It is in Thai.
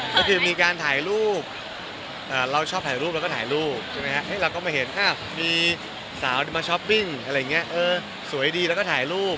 ก็คือมีการถ่ายรูปเราชอบถ่ายรูปแล้วก็ถ่ายรูปแล้วก็มาเห็นสาวมาชอปปิ้งแล้วก็ถ่ายรูป